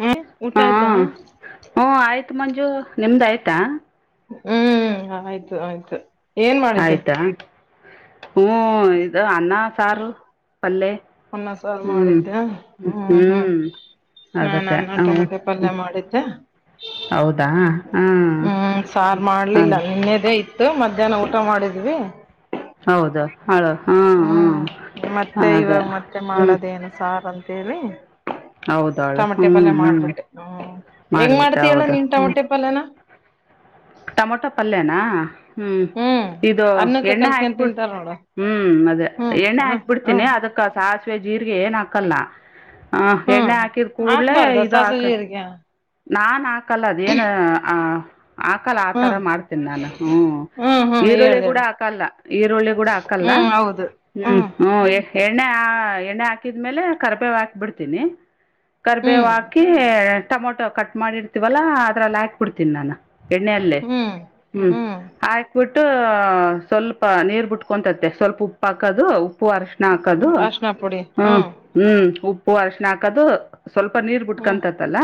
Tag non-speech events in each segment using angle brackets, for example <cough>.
ಹ ಊಟ ಹಾ ಆಯ್ತಾ ಹ್ಞೂ ಆಯ್ತು ಮಂಜು ನಿಮ್ದ್ ಆಯ್ತಾ ಹ್ಮ್ ಆಯ್ತು ಆಯ್ತು ಏನ್ ಮಾಡಿದ್ದೆ ಹ್ಮ್ ಅದ ಅನ್ನ ಸಾರು ಪಲ್ಲೆ ಅನ್ನ ಸಾರು ಹ್ಮ್ ಮಾಡಿದ್ದೆ ಹ್ಮ್. ನಾನ್ ಅದಕ್ಕ ಅನ್ನ ಹ. ಟೊಮಟೆ ಪಲ್ಯ ಮಾಡಿದ್ದೆ ಹೌದಾ ಹ್ಮ ಹ್ಮ್ ಸಾರ್ ಹ. ಮಾಡ್ಲಿಲ್ಲ ನಿನ್ನೆದೇ <unintelligible> ಊಟ ಮಾಡಿದ್ವಿ. ಹೌದು. ಅವಳು ಹಾಂ ಹಾಂ ಹ್ಮ್ ಮತ್ತೆ ಅದೇ ಇವಾಗ ಮತ್ತೆ ಹ್ಞೂ ಮಾಡೋದೇಏನ್ ಸಾರ್ ಅಂತೇಳಿ ಹೌದವಳು ಹ್ಞೂ ಟೊಮಟೆ ಪಲ್ಯ ಹ್ಞೂ ಮಾಡ್ಬಿಟ್ಟೆ ಹ ಹೆಂಗ್ ಮಾಡ್ತ ಮಾಡಿಬಿಟ್ಟೆ ಹೇಳ ಹೌದು ನೀನ್ ಟಮಟೆ ಪಲ್ಯನ ಟೊಮೊಟೊ ಪಲ್ಯನಾ ಹ್ಮ್ ಇದು ಅನ್ನಕ್ಕ ಎಣ್ಣೆ ಕಲ್ಸ್ಕೊಂಡ್ ಹಾಕ್ಬಿಡ್ ತಿಂತಾರ ನೋಡು ಹ್ಮ್ ಅದೇ ಹ್ಮ್ ಎಣ್ಣೆ ಹ್ಮ್ ಹಾಕ್ ಬಿಡ್ತೀನಿ ಹ್ಮ್ ಅದಕ್ಕ ಸಾಸಿವೆ ಜೀರಿಗೆ ಏನ್ ಹಾಕಲ್ಲ ಹ ಹ್ಮ್ ಎಣ್ಣೆ ಹಾಕಿದ್ ಕೂಡ್ಲೆೇ ಹಾಕ್ಬಾರ್ದ ಇದು ಸಾಸು ಹಾಕ್ ಜೀರಿಗೆ ನಾನ್ ಹಾಕಲ್ಲ ಅದೇಏನ್ ಆ ಹಾಕಲ್ಲ ಆತರ ಹ್ಮ್ ಮಾಡ್ತೀನಿ ನಾನು ಹ್ಮ್ ಹ್ಮ್ ಹ್ಮ್ ಹೇಳ ಈರುಳ್ಳಿ ಗುಡ ಹಾಕಲ್ಲ ಈರುಳ್ಳಿ ಗುಡ ಹಾಕಲ್ಲ ಹ ಹೌದು ಹ್ಮ್ ಹ್ಮ್ ಎ ಎಣ್ಣೆ ಆ ಎಣ್ಣ ಎಣ್ಣೆ ಹಾಕಿದ್ಮೇಲೆ ಕರ್ಬೇವು ಹಾಕಿ ಬಿಡ್ತೀನಿ ಕರ್ಬೇವ ಹ್ಮ್ ಹಾಕಿ ಟೊಮೊಟೋ ಹಾ ಕಟ್ ಮಾಡಿರ್ತೀವಲ್ಲ ಅದ್ರಲ್ಲಿ ಹಾಕಕ್ಬಿಡ್ತೀನಿ ನಾನು ಎಣ್ಣೆ ಅಲ್ಲೇ ಹ್ಮ್ ಹ್ಮ್ ಹಾಕಿಬಟ್ಟ ಸ್ವಲ್ಪ ನೀರ್ ಬಿಟ್ಕೊಂತತೆ ಸ್ವಲ್ಪ ಉಪ್ಪ ಹಾಕೋದು ಉಪ್ಪು ಅರಸಣ ಹಾಕೋದು ಅರ್ಶಿನ ಪುಡಿ ಹ್ಮ ಹ್ಮ್ ಹ್ಮ್ ಉಪ್ಪು ಅರಸಣ ಹಾಕದು ಸ್ವಲ್ಪ ನೀರ್ ಹ್ಮ್ ಬಿಟ್ಕಂತತ್ತಲ್ಲ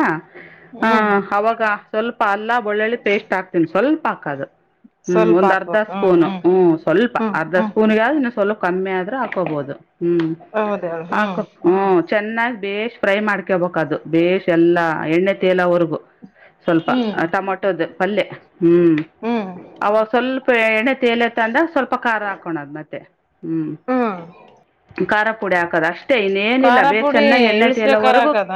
ಹ ಹ್ಮ್ ಅವಾಗ ಸ್ವಲ್ಪ ಅಲ್ಲಾ ಬೆಳ್ಳುಳ್ಳಿ ಪೇಸ್ಟ್ ಹಾಕ್ತನಿ ಸ್ವಲ್ಪ ಹಾಕದು ಹ್ಮ್ ಸ್ವಲ್ಪ ಒಂದ್ ಅರ್ಧ ಹಾಕ್ಬೇಕು ಹ್ಮ್ ಸ್ಪೂನ್ ಹ್ಮ್ ಸ್ವಲ್ಪ ಹ್ಮ್ ಅರ್ಧ ಹ್ಮ್ ಸ್ಪೂನ್ ಯಾವ್ದ ಸ್ವಲ್ಪ ಕಮ್ಮಿ ಆದ್ರೂ ಹಾಕೋಬಹುದು ಹ್ಮ್ ಹೌದ ಹೇಳ ಹ್ಮ್ ಹಾಕೋ ಹ್ಮ ಚೆನ್ನಾಗ ಬೇಶ್ ಫ್ರೈ ಮಾಡ್ಕೊಬೇಕ್ ಅದು ಬೇಶ್ ಎಲ್ಲಾ ಎಣ್ಣೆ ತೇಲವರ್ಗು ಸ್ವಲ್ಪ ಹ್ಮ್ ಟಮಾಟೋದ ಪಲ್ಯ ಹ್ಮ್ ಹ್ಮ್ ಅವಾಗ ಸ್ವಲ್ಪ ಎಣೆ ತೇಲತ್ತ ಅಂದ ಸ್ವಲ್ಪ ಖಾರ ಹಾಕೋಣದ್ ಮತ್ತೆ ಹ್ಮ್ ಖಾರ ಪುಡಿ ಹಾಕ ಹದ ಅಷ್ಟೇ ಇನ್ನೇಏನಿಲ್ಲ ಖಾರ ಬೇಶ್ ಪುಡಿ ಚೆನ್ನಾಗಿ ಎಣ್ಣೈತಿ ಎಲ್ಲ ಇಳಿಸಬೇಕಾರ ಹೊರಗೋಗ ಹಾಕದ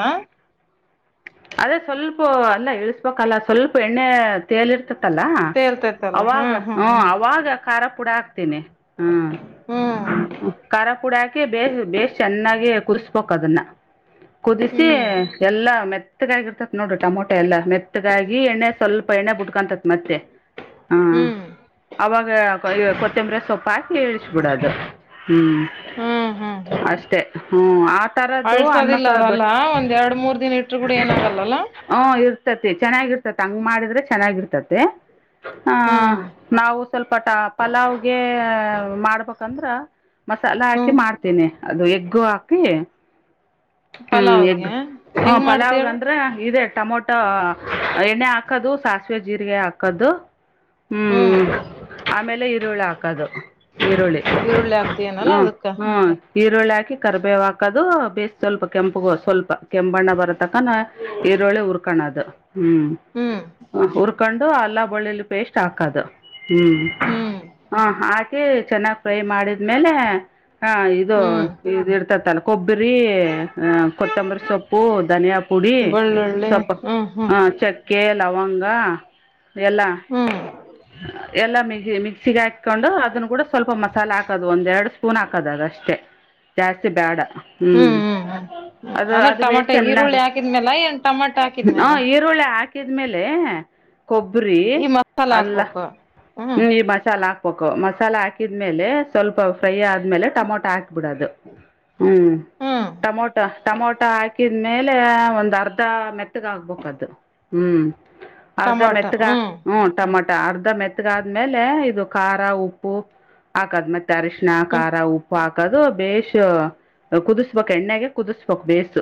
ಅದೇ ಸ್ವಲ್ಪ ಅಲ್ಲ ಇಳ್ಸ್ಬೇಕಲ್ಲ ಸ್ವಲ್ಪ ಎಣ್ಣೆ ತೇಲಿ ಇರ್ತತಲ್ಲ ತೇಲ್ತೈತಲ್ಲ ಅವಾಗ ಹ್ಮ್ ಹ್ಮ್ ಹ ಹ್ಮ್ ಅವಾಗ ಖಾರ ಪೂಡ ಹಾಕ್ತೀನಿ ಹ್ಮ ಖಾರ ಪುಡಾಕೆ ಬೇಶ್ ಚೆನ್ನಾಗ ಕುದ್ಬೇಕದನ್ನ ಹ್ಮ್ ಕುದಿಸಿ ಹ್ಮ್ ಎಲ್ಲ ಮೆತ್ತಗಾಗಿ ಇರ್ತತಿತ್ ನೋಡ್ರಿ ಟಮೊಟೆ ಎಲ್ಲ ಮೆತ್ತಗಾಗಿ ಎಣ್ಣೆ ಸ್ವಲ್ಪ ಎಣ್ಣೆ ಬಿಟ್ಕತತ್ ಮತ್ತೆ ಹಾ ಹ್ಮ್ ಅವಾಗ ಕೊತ್ತಂಬ್ರ ಸೊಪ್ಪ ಹಾಕಿ ಇಳ್ಸಬಿಡದು ಹ್ಮ್ ಹ್ಮ್ ಹ್ಮ್ ಹ್ಮ್ ಅಷ್ಟೇ ಹ್ಮ ಆ ತರದ್ದು ಅಳ್ಸೋದಿಲ್ಲ ಅದಲ್ಲ ಅನ್ನಕ್ಕಬಟ್ಟ ಒಂದ್ ಎರಡ್ ಮೂರ್ ದಿನ ಇಟ್ರು ಕೂಡ ಏನಾಗಲ್ಲಲ್ಲ ಹಓ ಇರ್ತತಿ ಚೆನ್ನಾಗಿರ್ತತಿ ಹಂಗ ಮಾಡಿದ್ರೆ ಚೆನ್ನಾಗಿರ್ತತಿ ಹ ಹ್ಮ್ ನಾವು ಸ್ವಲ್ಪ ಟ ಪಲಾವ್ಗೆ ಮಾಡ್ಬೇಕಂದ್ರ ಮಸಾಲ ಹಾಕಿ ಹ್ಮ್ ಮಾಡ್ತೀನಿ ಅದು ಎಗ್ಗು ಹಾಕಿ ಹ್ಮ್ ಎದ್ದು ಪಲಾವ್ಗೆ ಹ ಹೆಂಗ್ ಪಲಾವ್ಗ್ ಮಾಡ್ತಿಯೇಳು ಅಂದ್ರೆ ಇದೆ. ಟೊಮೊಟೊ ಎಣ್ಣೆ ಹಾಕೋದು ಸಾಸಿವೆ ಜೀರಿಗೆ ಹಾಕೋದು. ಹ್ಮ್ ಆಮೇಲೆ ಈರುಳ್ಳ ಹಾಕದು. ಈರುಳ್ಳಿ ಈರುಳ್ಳಿ ಹಾಕ್ತಿಯೇನಲ್ಲ ಹ್ಮ್ ಅದಕ್ಕ ಹ್ಮ್ ಈರುಳ್ಳಿ ಹಾಕಿ ಕರ್ಬೇವ ಹಾಕೋದು ಬೇಸ್ ಸ್ವಲ್ಪ ಕೆಂಪುಗೂ ಸ್ವಲ್ಪ ಕೆಂಬಣ್ಣ ಬರೋ ತಕನ ಈರುಳ್ಳಿ ಹುರ್ಕಣದು ಹ್ಮ್ ಹ್ಮ್ ಉರ್ಕೊಂಡು ಅಲ್ಲಾ ಬಳ್ಳಿಲಿ ಪೇಸ್ಟ್ ಹಾಕೋದು ಹ್ಮ್ ಹ್ಮ್ ಹ ಹಾಕೆ ಚೆನ್ನಾಗ್ ಫ್ರೈ ಮಾಡಿದ್ಮೇಲೆ ಹ ಇದು ಹ್ಮ್ ಇದ ಇರ ತ್ತಲ್ಲ ಕೊಬ್ಬರಿ ಹ ಕೊತ್ತಂಬರಿ ಸೊಪ್ಪು ಧನಿಯಾ ಪುಡಿ ಬೆಳ್ಳುಳ್ಳಿ ಸೊ ಹ್ಮ್ ಹ್ಮ್ ಹ ಚಕ್ಕೆ ಲವ ಲವಂಗ ಎಲ್ಲ ಹ್ಮ್ ಎಲ್ಲ ಮಿ ಮಿಕ್ಸಿಗೆ ಹಾಕಕೊಂಡು ಅದನ್ನ ಕೂಡ ಸ್ವಲ್ಪ ಮಸಾಲೆ ಹಾಕೋದು ಒಂದ್ ಎರಡು ಸ್ಪೂನ್ ಹಾಕದಾಗಷ್ಟೆ ಜಾಸ್ತಿ ಬೇಡ ಹ್ಮ್ ಹ್ಮ್ ಹ್ಮ್ ಅದು ಅಂದ್ರೆ ಅದು ಬೇಸ್ ಟಮಾಟೆ ಚೆನ್ನಾಗ ಈರುಳ್ಳಿ ಹಾಕಿದ್ಮ್ಯಾಲ ಏನ್ ಟಮಾಟ ಹ ಹಾಕಿದ್ಮ್ಯಾಲ ಈರುಳ್ಳಿ ಹಾಕಿದ್ಮೇಲೆ. ಕೊಬ್ಬರಿ ಈ ಮಸಾಲ ಅಲ್ಲ ಹಾಕ್ಬೇಕು ಹ್ಮ್ <unintelligible> ಈ ಮಸಾಲ. <unintelligible> ಮಸಾಲ ಹಾಕಿದ್ಮೇಲೆ ಸ್ವಲ್ಪ. ಫ್ರೈ ಆದ್ಮೇಲೆ ಟಮೊಟ ಹಾಕ್ಬಿಡೋದು ಹ್ಮ್ ಹ್ಮ್ ಟಮೋಟ ಟಮೋಟ ಹಾಕಿ <unintelligible> ಮೇಲೆ ಒಂದ್ ಅರ್ಧ ಮೆತ್ತಗ ಆಗ್ಬೇಕ ಅದು ಹ್ಮ್. ಅರ್ಧ ಮೆತ್ತಗ ಹ್ಮ್ ಟಮಟ. ಅರ್ಧ ಮೆತ್ತಗಾದ್ಮೇಲೆ ಇದು ಖಾರ ಉಪ್ಪು ಹಾಕಾದ ಮೆತ್ ದರ್ಶನ ಹ್ಮ್ ಖಾರ ಉಪ್ಪು ಅ <unintelligible> ದು ಬೇಷ ಕುದಿಸಬೇಕ್ ಎಣ್ಣೆಗೆ ಕುದಿಸಬೇಕ್ ಬೇಸ್.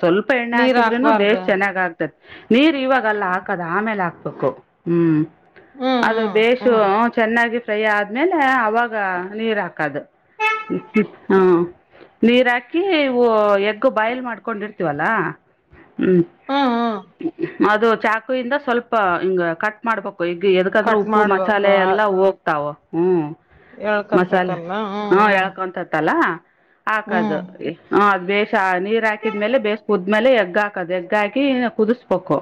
ಸ್ವಲ್ಪ ಎಣ್ಣೆ ನೀರ್ ಹಾಕಿದ್ರು ಹಾಕ್ಬಾರ್ದ ಬೇಶ್ ಚೆನ್ನಾಗ ಆಗ್ತದೆ ನೀರ್ ಇವಾಗಲ್ಲ ಆಕ್ <unintelligible> ದ ಆಮೇಲೆ ಹಾಕ್ಬೇಕು ಹ್ಮ್ ಹ್ಮ್ ಅದು ಹ್ಮ್ ಬೇಶು ಹ್ಮ್ ಉ ಚೆನ್ನ ಚೆನ್ನಾಗಿ ಫ್ರೈ ಆದ್ಮೇಲೆ ಅವಾಗ ನೀರ್ ಹಾಕದು ಹ್ಮ. ನೀರ್ ಹಾಕಿ ಇವು ಎಗ್ ಬಾಯ್ಲ್ ಮಾಡ್ಕೊಂಡಿರ್ತೀವಲ್ಲಾ. ಹ್ಮ್ ಅದು ಚಾಕುಯಿಂದ ಸ್ವಲ್ಪ ಹಿಂಗ ಕಟ್ ಮಾಡ್ಬೇಕು. <unintelligible> ಕೊಗ ಎದಕಾದ್ರೂ ಕಟ್ ಉಪ್ಪು ಮಾಡ್ಬೇಕು ಮಸಾಲೆ ಎಲ್ಲಾ ಹೋಗ್ತಾವ ಹ್ಮ್. ಮಸಾಲೆ ಎಳ್ಕಂತತಲ್ಲ ಹ್ಮ್ ಹಾ ಹ್ಮ್ ಎಳ್ಕೊಂತತ್ತಲ್ಲ. ಹಾಕದು ಹ್ಮ್ ಹ ಅ ಬೆ <unintelligible> ನೀರ್ ಹಾಕಿದ್ಮೇಲೆ ಬೇಸ್ ಕುದ್ಮೇಲೆ ಎಗ್ ಹಾಕದು ಎಗ್ ಹಾಕಿ. ಕುದಿಸ್ಬೇಕು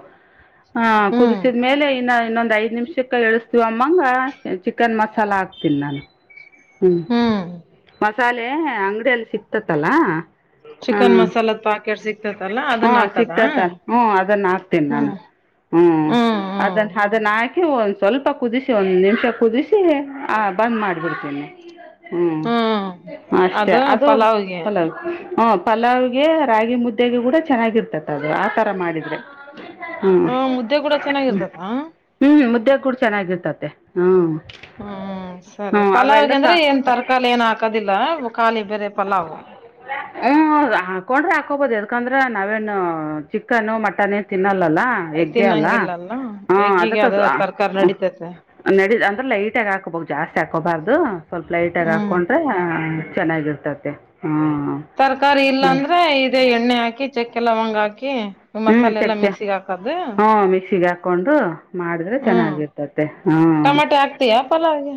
ಆ ಹ್ಮ್ ಕುದಿಸಿದ್ಮೇಲೆ ಇನ್ನ ಇನ್ನೊಂದು ಐದ್ ನಿಮಿಷಕ್ಕೆ ಎಳಸ್ತೀವ ಅಮ್ಮಂಗ ಚಿಕನ್ ಮಸಾಲ ಹಾಕ್ತೀನಿ ನಾನು ಹ್ಮ್. ಮಸಾಲೆ ಅಂಗಡಿಯಲ್ಲಿ ಸಿಕ್ತತಲ್ಲ ಹಾ. ಚಿಕನ್ ಮಸಾಲದ ಪಾಕೆಟ್ ಸಿಕ್ತತಲ್ಲ ಹಾ ಅದನ್ನ ಹಾಕದ ಸಿಗ್ತತ ಹ್ಮ ಅದನ್ನ ಹಾಕ್ತೇನಿ ನಾನು. ಹ್ಮ್ ಹ್ಮ್ ಅದನ್ನ ಅದನ ಆಕಿ ಒಂದ್ ಸ್ವಲ್ಪ ಕುದಿಸಿ ಒಂದ್ ನಿಮಿಷ ಕುದಿಸಿ ಆ ಬಂದ್ ಮಾಡ್ಬಿಡ್ತೀನಿ. ಹ್ಮ್ ಅಷ್ಟೇ ಅದು ಪಲಾವ್ ಹು ಪಲಾವ್ಗೆ ರಾಗಿ ಮುದ್ದ್ <unintelligible> ತಗೆ ಕೂಡ ಚೆನ್ನಾಗಿರ್ತತಿ ಅದು ಆ ತರ ಮಾಡಿದ್ರೆ. ಹ್ಮ ಹ ಮುದ್ದೆ ಕೂಡ ಹ್ಮ ಚೆನ್ನಾಗಿರ್ತದ ಹ್ಮ್ ಮುದ್ದೆಗೆ ಕೂಡ ಚೆನ್ನಾಗಿರ್ತತೆ ಹ್ಮ್. ಹ್ಮ್ ಸರಿ ಹ್ಮ್ ಪಲಾವ್ಗೆ ಅವೆಲ್ಡಕ್ಕ ಅಂದ್ರೆ ಏನ್ ತರಕಾರಿ ಏನು ಹಾಕೋದಿಲ್ಲ ಖಾಲಿ ಬೇರೆ ಪಲಾವ್. ಹ್ಮ ಹಾಕೊಂಡ್ರೆ ಹಾಕೋಬೋದು ಯದಕಂದ್ರ ನಾವೇನು ಚಿಕನ್ ಮಟನ್ ಎನ್ ತಿನ್ನಲ್ಲ. <unintelligible> ಲ್ಲ ಎಗ್ಗೆ ಅಲ್ಲ ತಿನ್ನಂಗಿಲ್ಲಲ್ಲ ಹ ಎಗ್ಗಿಗೆ ಅದಕ್ಕಾ ಅದ ಹುಂ ತರಕಾರಿ ಹು. ನಡಿತತೆ ನಡ ಅಂದ್ರ ಲೈಟ್ ಆಗ ಹಾಕೋಬೋಕ್ ಜಾಸ್ತಿ ಹಾಕೋಬಾರ್ದು ಸ್ವಲ್ಪ ಲೈಟ್ ಆಗ ಹ್ಮ್ ಹಾಕೊಂಡ್ರೆ. ಚೆನ್ನಾಗಿರ್ತತೆ ಹ್ಮ. ತರ್ಕಾರಿ ಇಲ್ಲಾಂದ್ರೆ ಇದೇ ಎಣ್ಣೆ ಹಾಕಿ ಚಕ್ಕೆ ಲವಂಗ ಹಾಕಿ. ಹ್ಮ್ ಮಸಾಲೆ ಎಲ್ಲಾ ಚಕ್ಕೆ ಮಿಕ್ಸಿಗೆ ಹಾಕದು ಹು ಮಿಕ್ಸಿಗೆ್ ಹಾಕೊಂಡು ಮಾಡಿದ್ರೆ ಹ್ಮ್ ಚೆನ್ನಾಗಿರ್ತತೆ ಹ. ಟಮಾಟೆ ಆಕ್ತಿಯ ಪಲಾವ್ ಗೆ.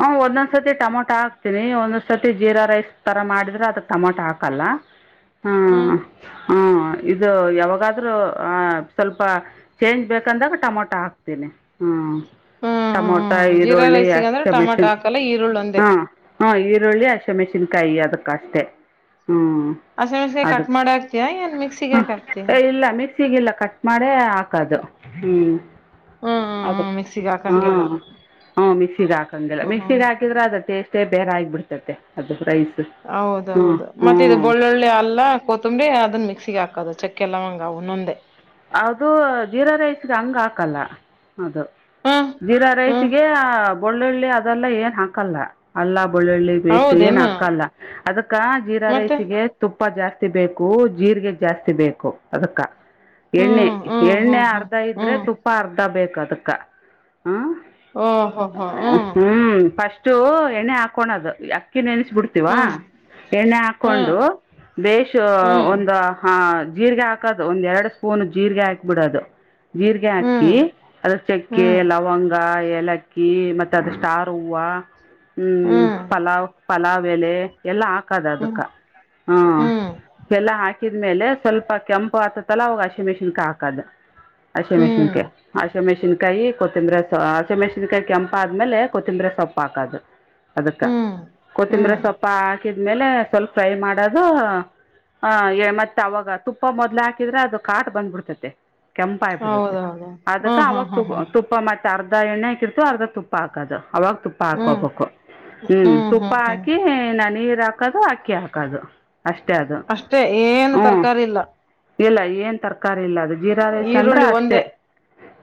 ಹ ಒಂದೊಂದ್ ಸತಿ ಟಮೊಟೊ ಹಕ್ತಿನಿ ಒಂದೊಂದ್ ಸತಿ ಜೀರಾ ರೈಸ್ ತರ ಮಾಡಿದ್ರ ಅದಕ್ ಟಮೊಟೊ ಹಾಕಲ್ಲ. ಹ ಹ್ಮ್ ಹ್ಮ ಇದು ಯಾವಾಗಾದ್ರೂ ಅಂ ಸ್ವಲ್ಪ ಚೇಂಜ್ ಬೇಕಂದಾಗ ಟೊಮೊಟೊ ಹಾಕ್ತೀನಿ ಹ್ಞ. ಹ್ಮ್ ಟಮೋಟಾ, ಹ್ಮ್ ಜೀರಾ ಈರುಳ್ಳಿ. ರೈಸಿಗೆ <inaudible> ಅಂದ್ರೆ ಟೊಮಾಟೊ ಮೆಷಿನ್, ಹಾಕಲ್ಲ ಈರುಳ್ಳ ಒಂದೇ ಹಾ, ಹ, ಈರುಳ್ಳಿ, ಅಸಿ, ಮೆಣಸಿನಕಾಯಿ, ಅದಕ್ಕ ಅಷ್ಟೆ. <inaudible> ಹ್ಮ್ಮ್. ಹಸಿಮೆಣಸಿನಕಾಯಿ <inaudible> ಕಟ್ ಅದಕ್ಕೆ ಮಾಡಿ ಹಾಕ್ತಿಯಾ ಏನ್ ಮಿಕ್ಸಿಗೆ ಯಾಕ್ ಹಾಕ್ತಿಯಾ ಇಲ್ಲ ಮಿಕ್ಸಿಗೆ ಇಲ್ಲ ಕಟ್ ಮಾಡೇ ಹಾಕದು. ಹ್ಮ್ ಹ್ಮ್ ಹ್ಮ್ ಅದ ಹ್ಮ್ ಮಿಕ್ಸಿಗೆ ಹಾ ಹಾಕಂಗಿಲ್ಲ ಹ ಮಿಕ್ಸಿಗ್ <unintelligible> ಲ್ಲ ಹ್ಮ್ ಹ್ಮ್ ಮಿಕ್ಸಿಗೆ ಹಾಕಿದ್ರೆ ಅದ್ರ ಟೇಸ್ಟೇ ಬೇರೆ ಆಗ್ಬಿಬಡ್ತತೆ ಅದು ರೈಸ್. ಹ್ಞೂ ಹೌದೌದು ಹ್ಞೂ ಮತ್ತೆ ಇದು ಬೆಳ್ಳೊಳ್ಳಿ ಎಲ್ಲ ಕೊತಂಬ್ರಿ ಅದನ್ ಮಿಕ್ಸಿಗೆ ಹಾಕದ ಚಕ್ ಕೆಲ್ಲವಂಗ ಒನ್ನೊಂದೆ. ಅದು ಜೀರಾ ರೈಸ್ಗೆ ಹಂಗೆ ಹಾಕಲ್ಲ ಅದು ಹಾ ಜೀರಾ ಹಾ ರೈಸಿಗೆ ಬಳ್ಳುಳ್ಳಿ ಅದೆಲ್ಲ ಏನ್ ಹಾಕಲ್ಲ ಅಲ್ಲ ಬೆಳ್ಳಳ್ಳಿ ಪೇಸ್ಟ್ ಏನ್ ಹೌದೇನು ಹಾಕಲ್ಲ ಅದಕ್ಕ ಜೀರಾ ಮತ್ತೆ ರೈಸಿಗೆ ತುಪ್ಪ ಜಾಸ್ತ್ <unintelligible> ಬೇಕು ಜೀರ್ರಿಗೆ ಜಾಸ್ತಿ ಬೇಕು ಅದಕ್ಕ. ಎಣ್ಣೆ ಹ್ಮ್ ಹ್ಮ್ ಎಣ್ಣೆ ಹ್ಮ್ ಹ್ಮ್ ಅರ್ಧ ಇದ್ರೆ ಹ್ಮ್ ತುಪ್ಪ ಅರ್ಧ ಬೇಕು ಅದಕ್ಕ. ಹ್ಮ, ಓಹೋ ಹೋ ಹ್ಮ್, ಫಸ್ಟು! ಎಣ್ಣೆ ಹಾಕಳದು, ಯ. <inaudible> ನೆನೆಸ್ಬಿಡ್ತೀವಾ! ಹ್ಮ್ ಎಣ್ಣೆ, ಹಾಕೊಂಡು! ಬೆಹಸು, ಹ್ಮ್ ಒಂದು. <inaudible> ಜೀರಿಗೆ, ಹಾಕೋದು, ಒಂದೆರಡು, ಸ್ಪೂನು ಜೀರಿಗೆ, ಹಾಕ್ಬಿಡೋದು. <inaudible> ಜೀರಿಗೆ, ಹಾಕಿ, ಹ್ಮ್ ಹ್ಮ್ ಅದಕ್ಕೆ, ಚೆಕ್ಕೆ, ಹ್ಮ್ ಲವಂಗ. <inaudible> ಏಲಕ್ಕಿ, ಮತ್ತೆ, ಅದಕ್ಕೆ, ಸ್ಟಾರ್ ಹೂವ. <inaudible> ಹ್ಮ್, ಪಲಾವ್, ಪಲಾವ್, ಎಲೆ ಎಲ್ಲಾ ಹಾಕದೇ ಅದುಕ್ಕ. ಹ್ಮ್ <inaudible> ಹು ಹ್ಮ್ ಎಲ್ಲ, ಹಾಕಿದ್ಮೇಲೆ! ಸ್ವಲ್ಪ, ಕೆಂಪು, ಆತತಿ.. <inaudible> ಮಿಕ್ಸಿನ್ಗುಗೆ, ಅಕೋಧ್. <inaudible> ಅಸಿ, ಹ್ಮ್ ಮೆಣಸಿನಕಾಯಿ, ಮೆಷಿನ್ ಕಾಯಿ ಕೊತ್ತಂಬ್ರ, ಅಸಿ, ಮೆಷಿನ್ ಕಾಯಿ ಕೆಂಪ ಆದ್ಮೇಲೆ ಕೊತ್ತಂಬ್ರ. <inaudible> ಸೊಪ್ಪಾಕದು, ಅದಕ್ಕ. ಹ್ಮ್ <inaudible> ಕೊತ್ತಂಬ್ರೆ, ಹ್ಮ್ ಸೋಪು, ಹಾಕಿದ್ಮೇಲೆ! ಸ್ವಲ್ಪ ಫ್ರೈ ಮಾಡೋದು, ಆ, ಮತ್. <inaudible> ಮತ್ತ, ಅವಾಗ, ತುಪ್ಪ ಮೊದ್ಲು! ಹಾಕಿದ್ರೆ ಅದು ಕಾಟ್, ಬಂದ್ಬಿಡ್ತತೆ. <inaudible> ಕೆಂಪಾಯಿ, ಬರುತ್ತೆ, ಹೌದೌದು ಅದಕ್ಕ ಹ್ಮ್ ಹ್ಮ್ ಅವಾಗ, ತು ಹ್ಮ್ ಹ್ಮ್ ತುಪ್ಪ ಮತ್ತೆ. <inaudible> ಅರ್ಧ, ಎಣ್ಣೆ ಹಾಕಿರ್ತ, ಅರ್ಧ ತುಪ್ಪ ಹಾಕೋದು. <inaudible> ಅವಾಗ, ತುಪ್ಪ ಹ್ಮ್ ಹಾಕೋಬೇಕು! ಹ್ಮ್ ತುಪ್ಪ ಹಾಕಿ ನ, ನೀ. <inaudible> ಇದು, ಅಕೋಧು, ಹಾಕಿ ಆಕಾದು. <inaudible> ಅಷ್ಟೇ, ಅದು, ಅಷ್ಟೇ ಏನು ಹ್ಮ ತರಕಾರಿ ಇಲ್ಲ ಇಲ್ಲ ಏನ್. <inaudible> ತರಕಾರಿ, ಇಲ್ಲ ಅದು ಜೀರಾ ರೈಸ್! ಅಂದ್ರೆ ಈರುಳ್ಳಿ ಅಷ್ಟೇ, ಒಂದೇ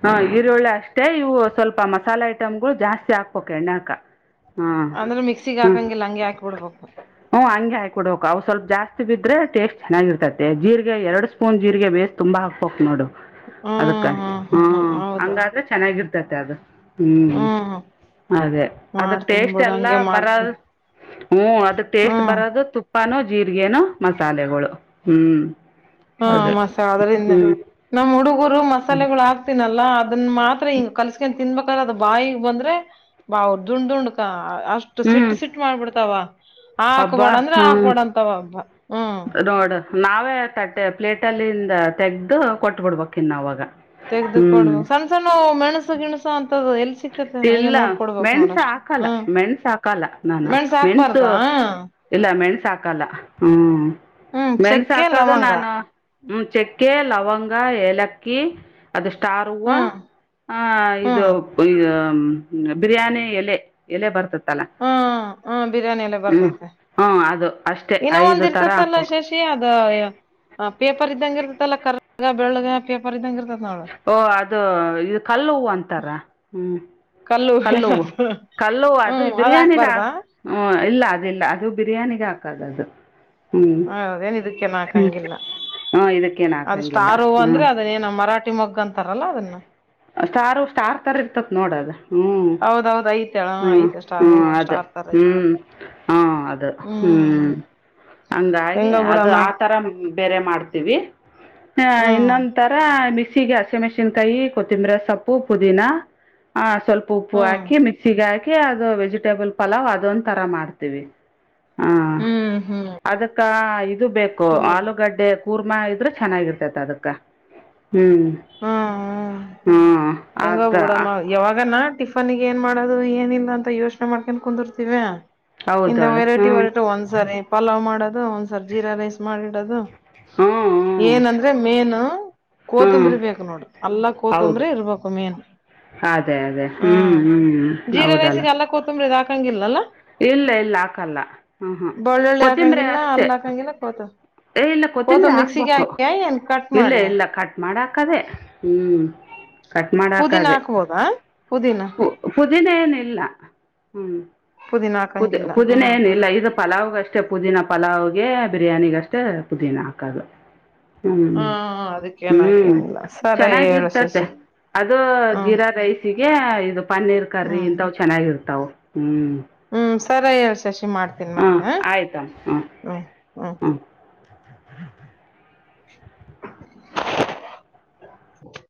ಹ, ಈರುಳ್ಳಿ, ಅಷ್ಟೇ. <inaudible> ಮತ್ತೆ, ಇವು ಸ್ವಲ್ಪ ಮಸಾಲೆ, ಐಟಮ್ಗಳು ಜಾಸ್ತಿ ಹಾಕ್ಬೋಕ್ ಎಣ್ಣಾಕ? <inaudible> ಹೂ, ಹಾ ಅಂದ್ರೆ ಮಿಕ್ಸಿಗೆ ಹ್ಮ, ಹಾಕಂಗಿಲ್ಲ ಹಂಗೆ ಹಾಕಿ ಬಿಡ್ಬೇಕು ಹ ಹಂಗೆ ಹಂಗೀಕಿಬಿಡುಬೇಕು. ಹ ಅವು, ಸ್ವಲ್ಪ ಜಾಸ್ತಿ. <inaudible> ಬಿದ್ರೆ, ಟೇಸ್ಟ್ ಚೆನ್ನಾಗಿ ಇರ್ತತೆ, ಜೀರಿಗೆ ಎರಡು ಸ್ಪೂನ್, ಜೀರ್ರಿಗೆ ಬೇಸ್, ತುಂಬಾ ಹಾಕ್ಬೇಕಕ್ ನೋಡು. <inaudible> ಹ್ಮ್ ಅದುಕ್ಕೆ, ಹ್ಮ್ ಹ್ಮ್ ಹ್ಮ್ ಹ, ಹೌದೌದು ಹಂಗಾದ್ರೆ! ಚೆನ್ನಾಗಿರ್ತತೆ, ಅದು, ಹ್ಮ್. <inaudible> ಅದೇ, ಅದಕ್ ಮಾಡ್ತೀನ್ ಟೇಸ್ಟ್ ಬಿಡು ಎಲ್ಲ ಹಂಗೆ ಬರ. ಮಾಡ್ತೀನಿ <inaudible> ಹ್ಮ, ಅದು, ಟೇಸ್ಟ್ ಹ್ಮ್ ಬರೋದು, ತುಪ್ಪಾನೂ ಜೀರಿಗೆನೋ, ಮಸಾಲೆಗಳು, ಹ್ಮ್. <inaudible> ಹಾ ಮಾಸ, ಅದ್ರಿಂದ ನಮ್ಮ್ ಹುಡುಗರು ಮಸಾಲೆಗಳು, ಹಾಕ್ತನಲ್ಲ. <inaudible> ಅದನ್ನ, ಮಾತ್ರ ಹಿಂಗ, ಕಲ್ಸ್ಕೊಂಡ್ ತಿನ್ಬೇಕಾದ್ರ, ಅದು ಬಾಯಿಗೆ, ಬಂದ್ರೆ ಬಾ ಅವ ದುಂಡ್ ದುಂಡ್ಕ. <inaudible> ಅಷ್ಟು, ಹ್ಞೂ ಸಿಟ್ಟು, ಸಿಟ್ಟು ಮಾಡ್ಬಿಡ್ತಾವ! ಅಬ್ಬಾ ಹಾಕ್ಬೇಡ ಅಂದ್ರ, ಹ್ಞೂ ಹಾಕ್ಬೇಡ ಅಂತವ. <inaudible> ನೋಡು, ನಾವೇ ತಟ್ಟೆ ಪ್ಲೇಟಲ್ಲಿಂದ. ತೆಗ್ದು ಕೊಟ್ಬಿಡ್ಬಕ್, ಇನ್ನು ಅವಗ. <inaudible> ತೆಗೆದು ಕೊಡಬೇಕು, ಸಣ್ಣ ಸಣ್ಣ ಮೆಣಸು ಗಿಣಸು ಅಂತ. <inaudible> ಇಲ್ಲ, ಮೆಣಸು, ಹಾಕಲ್ಲ! ಹ್ಮ್ ಮೆಣಸು ಹಾಕಲ್ಲ ನಾನು, ಮೆಣಸ ಹಾಕ್ಬಾರ್ದ ಮೆಣಸು. <inaudible> ಇಲ್ಲ ಮೆಣಸು ಹಾಕಲ್ಲ. ಹ್ಮ್ ಹ್ಮ್ ಮೆಣಸು, ಚಕ್ಕೆ ಹಾಕೋದು ಲವಂಗ ನಾನು, ಹ್ಮ್ಮ್. <inaudible> ಚೆಕ್ಕೆ, ಲವಂಗ ಏಲಕ್ಕಿ. <inaudible> ಅದು, ಸ್ಟಾರ್ ಹೂವ, ಹ್ಮ್ ಹ, ಹ್ಮ್ ಇದು. <inaudible> ಬಿರಿಯಾನಿ, ಎಲೆ, ಎಲೆ ಬರ್ತತೂ. <unintelligible> ತಾಳ, ಹ್ಮ್ ಹ್ಮ್ ಹ್ಮ್, ಹ್ಮ, ಅದು. <inaudible> ಏನೋ ಒಂದು ಐದು ಥರ ಇರ್ತೈತಲ್ಲ ಹಾಕ್ಬೇಕು ಶಶಿ, ಅದ ಪೇಪರ್ ಇದ್ದಂಗೆ, ಇರ್ತತಲ್ಲಾ ಕರ್. <inaudible> ಎಲ್ಲಾ, ಬೆಳಗ್ಗೆ, ಪೇಪರ್ ಇದ್ದಂಗೆ ಇರು. <inaudible> ಓ, ಅದು ಇದು ಕಲ್ಲು, ಹೂ, ಅಂತಾರ, ಹ್ಮ್. <inaudible> ಕಲ್ಲು ಕಲ್ಲು ಅದು ಹ್ಮ್ ಅದ್ ಬಿರಿಯಾನಿಗ ಹಾಕ್ಬಾರ್ದಾ ಹಾಕ್ ಹ ಇಲ್ಲ ಅದಲ್ಲ ಅದು ಬಿರಿಯಾನಿಗ ಹಾಕದು ಅದು ಹ್ಞೂ ಹದೇನ್ ಇದಕ್ಕೆನ್ಕಂಗಿಲ್ಲ ಹ್ಞೂ ಇದಕ್ಕೇನು ಅದ ಹಾಕಂಗಿಲ್ಲ ಸ್ಟಾರ್ ಹೂವ, ಹ್ಞೂ ಅಂದ್ರೆ ಅದನ್ನೇಏನು ಮರಾಠಿ, ಮೊಗ್ಗು, ಅಂತಾರಲ್ಲ ಅದನ್ನ. <inaudible> ಸ್ಟಾರು ಸ್ಟಾರ್ ಇರ್ತಕ್ಕ ನೋಡೋದು. <inaudible> ಹ್ಮ್, ಹೌದೌದ್ ಐತೆ ಹ ಹ್ಮ್, ಐತೆ ಸ್ಟಾರ್ ಹ್ಮ್, ಹೂವ ಅದು, ಸ್ಟಾರ್ ತರ ಐತೆ ಹ್ಮ್. <inaudible> ಹು, ಅದು, ಹ್ಮ್ ಹ್ಮ. <inaudible> ಹಂಗಾಗಿ ಹೆಂಗೋ ಅದು ಬಿಡಮ್ಮ ಆತರ ಬೇರೆ ಮಾಡ್ತೀವಿ. <inaudible> ಹ, ಹ್ಮ್ ಇನ್ನೊಂದು, ತರ, ಬಿಸಿ. <inaudible> ಸಿಗಾ, ಹಸಿಮೆಣಸಿನಕಾಯಿ, ಕೊತ್ತಂಬ್ರ ಸೊಪ್ಪು ಪುದೀನಾ, ಹಾ. <inaudible> ಸ್ವಲ್ಪ ಉಪ್ಪು ಹ್ಮ್ ಹಾಕಿ, ಮಿಕ್ಸಿಗೆ, ಹಾಕಿ ಅದು ವೆಜಿಟೇಬಲ್, ಪಲಾವ್ ಅದೊಂದು, ತರ ಮಾಡ್ತೀವಿ! <inaudible> ಹಾ, ಹ್ಮ್ ಹ್ಮ್ ಅದಕ್ಕ ಇದು ಬೇಕು, ಹ್ಮ್ ಆಲೂಗಡ್ಡೆ. <inaudible> ಕೂರ್ಮಾ ಇದ್ರೆ ಚೆನ್ನಾಗಿರ್ತೇತಿ ಅದಕ್ಕ ಹ್ಮ್ ಹ್ಮ ಹೆಂಗೋ ಬಿಡಮ್ಮ ಯಾವಾಗನ ಟಿಫನ್ಗೆ ಏನ್ ಮಾಡೋದು ಏನಿಲ್ಲ ಅಂತ ಯೋಚನೆ ಮಾಡ್ಕೊಂಡು ಕುಂತರ್ತೀವ ಇಂದ ಹೌದಳ ಹ್ಞೂ ವೆರೈಟಿ ವೆರೈಟಿ ಒಂದ್ಸರಿ ಪಲಾವ್ ಮಾಡೋದು ಒಂದ್ಸರಿ ಜೀರಾ ರೈಸ್ ಮಾಡಿಡೋದು ಹ್ಞೂ ಹ್ಞೂ ಏನಂದ್ರೆ ಮೇನ್ ಹ್ಞೂ ಕೋತಂಬರಿ ಬೇಕು ನೋಡ್ರಿ ಅಲ್ಲಾ ಕೋತುಂಬರಿ ಹೌದು ಇರ್ಬೇಕು ಅದೇ ಅದೇ ಹ ಹ್ಞೂ ಹ್ಞೂ ಜೀರಾ ಹೌದಲ್ಲ ರೈಸಗೆ ಎಲ್ಲ ಕೊತ್ತುಂಬರಿ ಇದು ಹಾಕಂಗಿಲ್ಲಲ್ಲ ಇಲ್ಲ ಇಲ್ಲ ಹಾಕಲ್ಲ ಹ್ಮ ಹ್ಮ ಬೆಳ್ಳುಳ್ಳಿ ಕೊತ್ತಂಬ್ರೆ ಹಾಕಂಗಿಲ್ಲ ಅಷ್ಟೆ ಅಲ್ಲ ಹಾಕಂಗಿಲ್ಲ ಕೋತ ಏ ಇಲ್ಲ ಕೊತ್ತಂಬರಿ ಕೋತಂಬ ಮಿಕ್ಸಿಗೆ ಹಾಕ್ಬೇಕು ಹಾಕ್ಯ ಏನ್ ಕಟ್ ಇಲ್ಲ ಮಾಡಿ ಇಲ್ಲ ಕಟ್ ಮಾಡಾಕದೇ ಹ್ಮ್ ಕಟ್ ಮಾಡ ಪುದೀನ ದೆ ಹಾಕ್ಬೋದಾ ಪುದೀನ ಪುದನ ಏನಿಲ್ಲ ಹ್ಮ್ ಪುದೀನ ಪುದ ಹಾಕಂಗಿಲ್ಲ ಪುದಿನ ಹ್ಮ್ ಏನಿಲ್ಲ ಈದು ಪಲಾವ್ ಅಷ್ಟೇ ಪುದೀನ ಪಲಾವ್ಗೆ ಬಿರಿಯಾನಿಗಷ್ಟೇ ಪುದೀನ ಹಾಕೋದು ಹ್ಮ್ ಅದಕ್ಕೇನ್ ಹ್ಮ್ ಹಾಕೇನಿಲ್ಲ ಸರಿ ಹೇಳು ಚೆನ್ನಾಗಿರ್ತತೆ ಶಶಿ ಅದು ಹ್ಮ್ ಜೀರಾ ರೈಸಿಗೆ ಇದು ಪನ್ನೀರ್ ಕರಿ ಹ್ಮ್ ಇಂತವು್ ಚೆನ್ನಾಗಿರ್ತಾವ ಹ್ಮ್ ಹ್ಮ್ ಸರಿ ಹೇಳಳ್ ಶಶಿ ಮಾಡ್ತೀನ್ ಮತ್ತೆ ಆಯ್ತಮ್ಮ ಹ್ಮ್ ಹ್ಮ್ ಹ <inaudible> <inaudible>